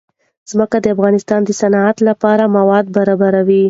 ځمکه د افغانستان د صنعت لپاره مواد برابروي.